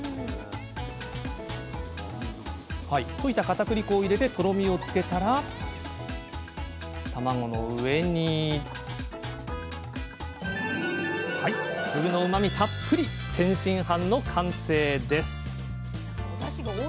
溶いたかたくり粉を入れてとろみをつけたら卵の上に天津飯の完成です